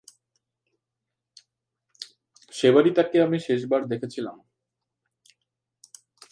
সেবারই আমি তাকে শেষবার দেখেছিলাম।